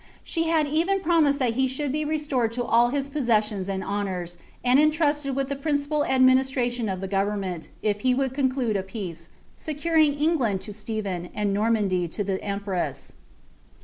She had even promuied that Iw •hould be restored lo all hie powesnoDs and honoura, and etitramd with the principal ad minis nation of the government, if he wnold co«k elude a peace, geeuring England to Stephen, and Normandif to th* empress.'